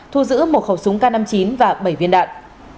thu giữ một khẩu súng k năm mươi chín và bảy viên đạn